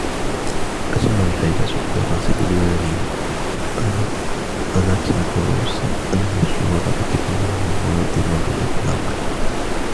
أشار الفيلسوف والراصد اليوناني أناكساغوروس أن الشهب تتكون من مواد موجودة على الأرض